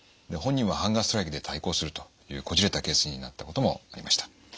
で本人はハンガーストライキで対抗するというこじれたケースになったこともありました。